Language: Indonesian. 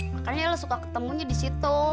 makanya ella suka ketemunya disitu